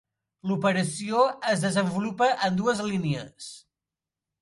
L'operació es desenvolupa en dues línies.